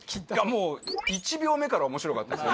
もう１秒目から面白かったですよね